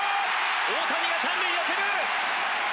大谷が三塁を蹴る！